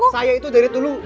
saya itu dari dulu